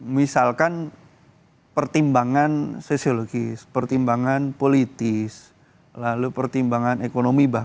misalkan pertimbangan sosiologis pertimbangan politis lalu pertimbangan ekonomi